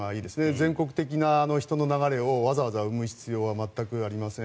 全国的な人の流れをわざわざ生む必要は全くありません。